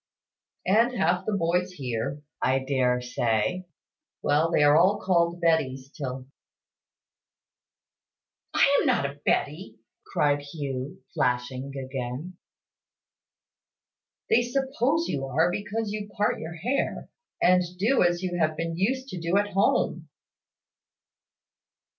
"And half the boys here, I dare say. Well, they are called Bettys till " "I am not a Betty," cried Hugh, flashing again. "They suppose you are, because you part your hair, and do as you have been used to do at home."